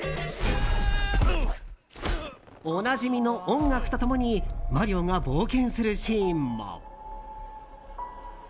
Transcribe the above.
おなじみの音楽と共にマリオが冒険するシーンも。